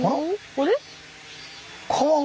あれ？